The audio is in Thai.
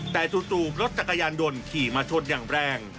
แต่จู่รถจักรยานยนต์ขี่มาชนอย่างแรง